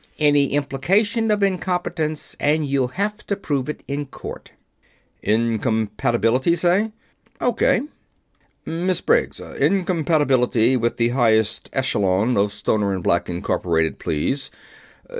Any implication of incompetence and you'll have to prove it in court." "Incompatibility, say?" "O.K." "Miss Briggs 'Incompatibility with the highest echelon of Stoner and Black, Inc.,' please.